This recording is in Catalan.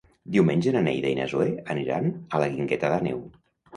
Diumenge na Neida i na Zoè aniran a la Guingueta d'Àneu.